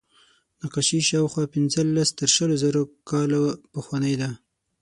نقاشي شاوخوا پینځلس تر شلو زره کاله پخوانۍ ده.